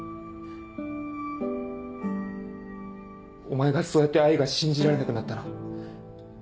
お前がそうやって愛が信じられなくなったの。